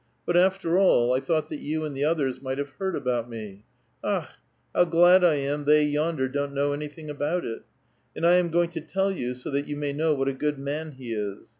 But, after all, 1 thought that you and the others might have heard about me. Akh ! how glad I am they yonder don't know anything about it ! And I am going to tell you, so that you ma}' know what a good man he is.